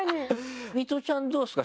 ミトちゃんどうですか？